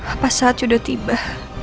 apa saat udah tiba